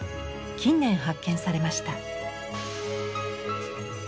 近年発見されました。